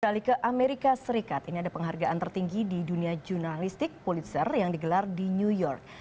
beralih ke amerika serikat ini ada penghargaan tertinggi di dunia jurnalistik pulitzer yang digelar di new york